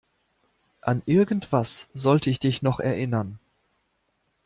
An irgendwas sollte ich dich noch erinnern.